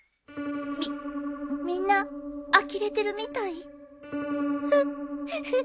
みみんなあきれてるみたいうっうう。